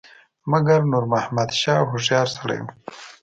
مګر نور محمد شاه هوښیار سړی وو.